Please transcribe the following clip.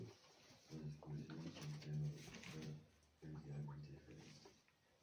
La disposición en un piano vertical es ligeramente diferente.